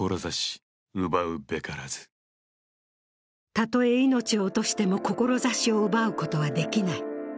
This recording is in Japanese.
たとえ命を落としても志を奪うことはできない。